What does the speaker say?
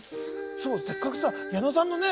せっかくさ矢野さんのね